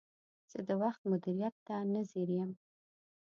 زه د وخت مدیریت ته نه ځیر یم.